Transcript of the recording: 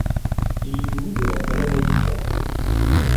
Il y joue de la balalaïka.